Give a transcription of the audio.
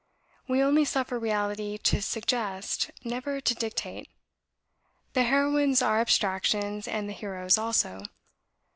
We only suffer reality to SUGGEST, never to DICTATE. The heroines are abstractions and the heroes also.